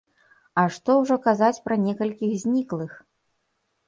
А што ўжо казаць пра некалькіх зніклых?